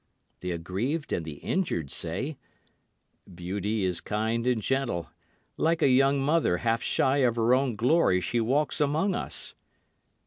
The aggrieved and the injured say, "Beauty is kind and gentle. Like a young mother half shy of her own glory she walks among us."